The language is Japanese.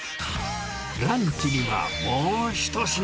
ランチにはもう一品。